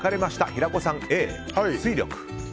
平子さんはＡ、水力。